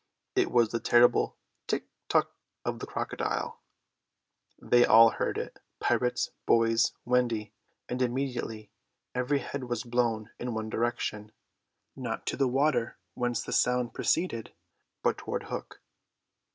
It was the terrible tick tick of the crocodile. They all heard it—pirates, boys, Wendy; and immediately every head was blown in one direction; not to the water whence the sound proceeded, but toward Hook.